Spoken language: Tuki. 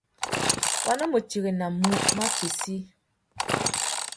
Wa nu mù tirenamú matsessi.